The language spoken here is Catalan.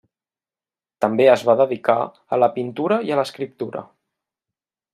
També es va dedicar a la pintura i a l'escriptura.